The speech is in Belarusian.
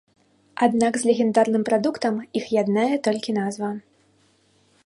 Аднак з легендарным прадуктам іх яднае толькі назва.